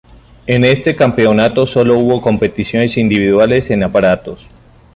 En este campeonato solo hubo competiciones individuales en aparatos.